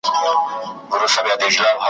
او حتی نه د عبدالقادر خان خټک ,